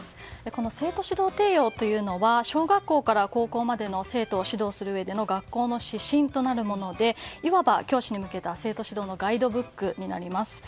この「生徒指導提要」は小学校から高校までの生徒を指導するうえでの学校の指針となるものでいわば教師に向けた生徒指導のガイドブックになります。